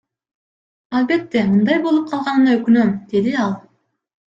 Албетте, мындай болуп калганына өкүнөм, — деди ал.